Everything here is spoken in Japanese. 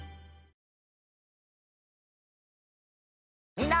みんな。